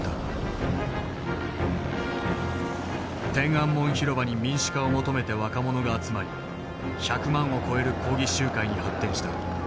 天安門広場に民主化を求めて若者が集まり１００万を超える抗議集会に発展した。